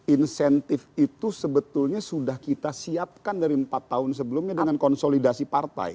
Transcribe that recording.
insentif itu sebetulnya sudah kita siapkan dari empat tahun sebelumnya dengan konsolidasi partai